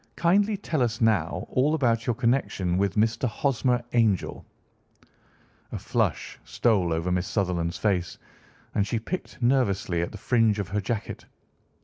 Kindly tell us now all about your connection with Mr. Hosmer Angel." A flush stole over Miss Sutherland's face, and she picked nervously at the fringe of her jacket.